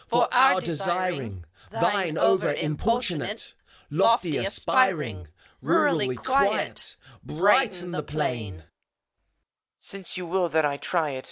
For our desiring, Thine over importunate Lofty aspiring! Rurally quiet, Brighten the plain ! EUPHORION. Since you will that I try it.